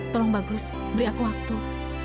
tolong bagus beri aku waktu